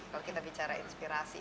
kalau kita bicara inspirasi